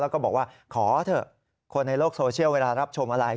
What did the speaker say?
แล้วก็บอกว่าขอเถอะคนในโลกโซเชียลเวลารับชมอะไร